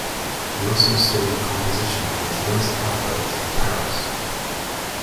He also studied composition with Louis Aubert in Paris.